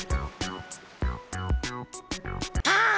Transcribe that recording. ああ！